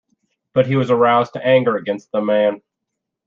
But he was aroused to anger against the man.